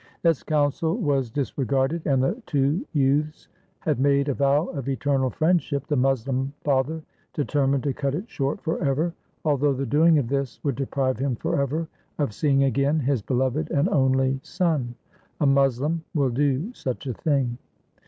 As counsel was disregarded, and the two youths had made a vow of eternal friendship, the Moslem father deter mined to cut it short forever, although the doing of this would deprive him forever of seeing again his beloved and only son, A Moslem will do such a thing.